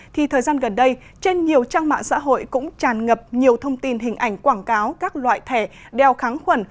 thì thời gian gần đây trên nhiều trang mạng xã hội cũng tràn ngập nhiều thông tin hình ảnh quảng cáo các loại thẻ đeo kháng khuẩn